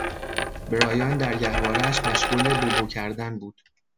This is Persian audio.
برایان در گهوارهاش مشغول بوبو کردن بود.